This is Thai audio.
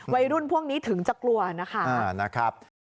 วัยรุ่นพวกนี้ถึงจะกลัวนะคะ